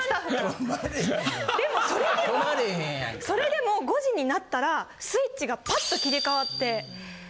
それでも５時になったらスイッチがパッと切り替わって。